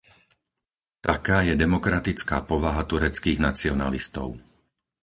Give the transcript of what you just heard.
Taká je demokratická povaha tureckých nacionalistov!